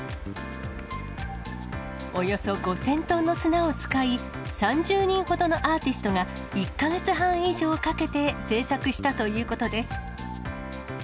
およそ５０００トンの砂を使い、３０人ほどのアーティストが、１か月半以上かけて制作したということです。